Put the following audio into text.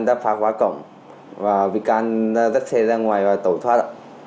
vị can đã phá khóa cổng và vị can dắt xe ra ngoài và tẩu thoát